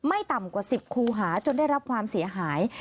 ต่ำกว่า๑๐คูหาจนได้รับความเสียหาย